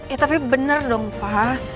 ya tapi bener dong pa